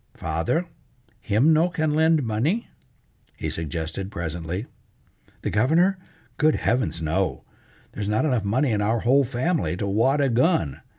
"Father, him no can lend money?" he suggested presently. "The Governor? Good heavens, no. There's not enough money in our whole family to wad a gun!